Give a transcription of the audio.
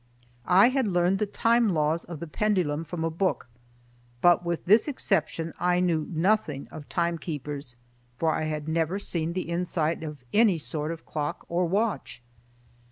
I had learned the time laws of the pendulum from a book, but with this exception I knew nothing of timekeepers, for I had never seen the inside of any sort of clock or watch.